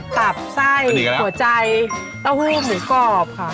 ตับไส้หัวใจเต้าหู้หมูกรอบค่ะ